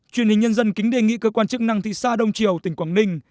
truyền hình nhân dân kính đề nghị cơ quan chức năng thị xã đông triều tỉnh quảng ninh